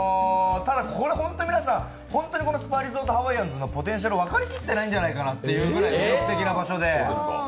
ただこれ本当皆さん、本当にこのスパリゾートハワイアンズのポテンシャルをわかりきってないなじゃないかってくらい魅力的な場所で。